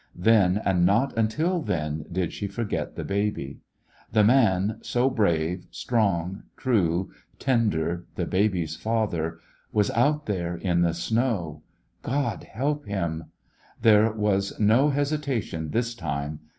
Then, and not until then, did she for get the baby. The man, so brave, strong, true, tender, the baby's father, was out there in the snow. God help him I There was no hesitation this time.